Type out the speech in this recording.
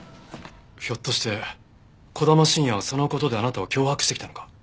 ひょっとして児玉慎也はその事であなたを脅迫してきたのか？